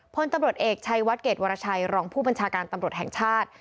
พลตำรวจเอกชัยวัดเกรดวรชัยรองผู้บัญชาการตำรวจแห่งชาติ